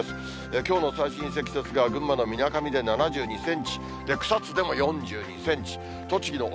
きょうの最深積雪が群馬のみなかみで７２センチ、草津でも４２センチ、栃木の奥